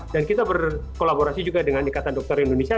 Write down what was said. dan kita berkolaborasi juga dengan dekatan dokter indonesia